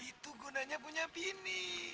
itu gunanya punya bini